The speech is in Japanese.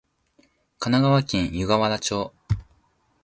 神奈川県湯河原町